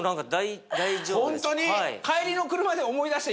ホントに？